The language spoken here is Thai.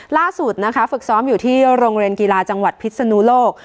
ล่าสุดนะคะฝึกซ้อมอยู่ที่โรงเรียนกีฬาจังหวัดพิษนุโลก